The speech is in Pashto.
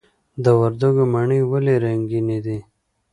د وردګو مڼې ولې رنګینې دي؟